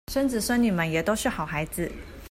孫子孫女們也都是好孩子